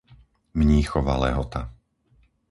Mníchova Lehota